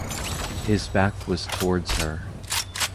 His back was towards her.